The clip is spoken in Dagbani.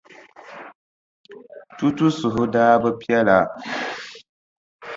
Tutu suhu daa bi piɛla.